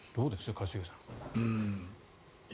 一茂さん。